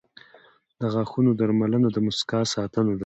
• د غاښونو درملنه د مسکا ساتنه ده.